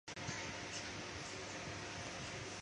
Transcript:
本列表为中华民国驻巴拉圭历任大使名录。